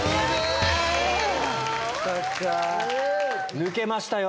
抜けましたよ。